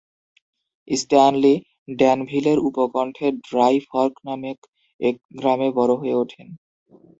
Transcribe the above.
Stanley ড্যানভিলের উপকণ্ঠে Dry Fork নামক এক গ্রামে বড় হয়ে ওঠেন।